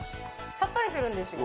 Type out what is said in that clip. さっぱりしてるんですよ。